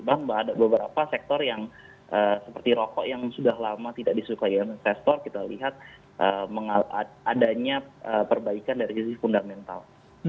ada beberapa sektor yang seperti rokok yang sudah lama tidak disukai investor kita lihat adanya perbaikan dari sisi fundamental